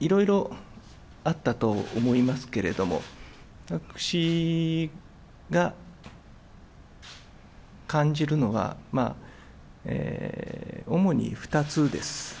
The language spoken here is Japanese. いろいろあったと思いますけれども、私が感じるのは、主に２つです。